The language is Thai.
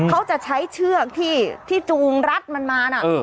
เขาจะใช้เชือกที่จูงรัดมันมานะ